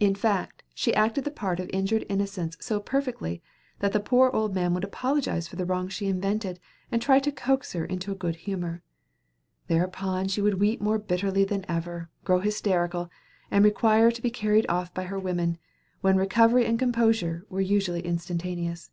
In fact, she acted the part of injured innocence so perfectly that the poor old man would apologize for the wrongs she invented, and try to coax her into a good humor. Thereupon she would weep more bitterly than ever, grow hysterical, and require to be carried off by her women, when recovery and composure were usually instantaneous.